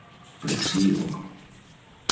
Прости его.